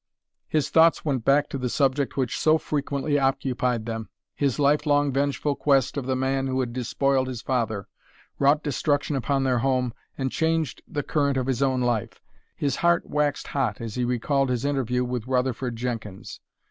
His thoughts went back to the subject which so frequently occupied them his lifelong, vengeful quest of the man who had despoiled his father, wrought destruction upon their home, and changed the current of his own life. His heart waxed hot as he recalled his interview with Rutherford Jenkins.